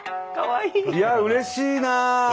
いやうれしいなあ。